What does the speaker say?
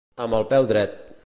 Amb el peu dret.